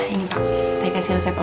itu buat sekarang dokter